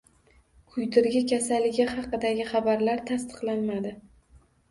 Kuydirgi kasalligi haqidagi xabarlar tasdiqlanmadi